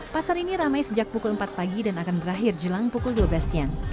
pasar ini ramai sejak pukul empat pagi dan akan berakhir jelang pukul dua belas siang